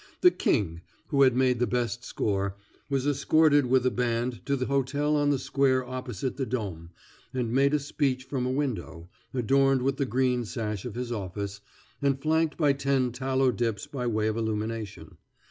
The "king," who had made the best score, was escorted with a band to the hotel on the square opposite the Dom, and made a speech from a window, adorned with the green sash of his office, and flanked by ten tallow dips by way of illumination.